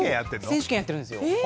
選手権やってるんですよ。